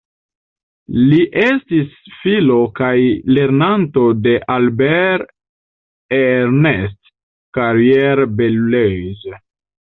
Li estis filo kaj lernanto de Albert-Ernest Carrier-Belleuse.